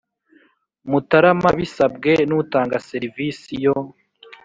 Mutarama bisabwe n utanga serivisi yo